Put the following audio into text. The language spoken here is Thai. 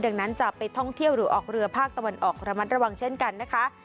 ดังนั้นจะไปท่องเที่ยวหรือออกเรือภาคตะวันออกระมัดระวังเช่นกันนะคะ